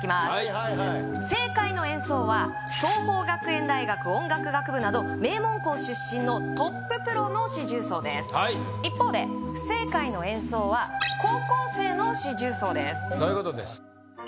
はい正解の演奏は桐朋学園大学音楽学部など名門校出身のトッププロの四重奏です一方で不正解の演奏は高校生の四重奏ですそういうことです